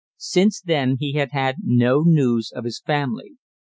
Since then he had had no news of his family.